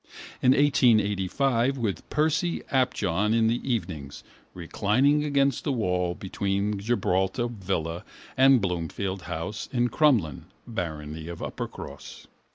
In 1885 with Percy Apjohn in the evenings, reclined against the wall between Gibraltar villa and Bloomfield house in Crumlin, barony of Uppercross.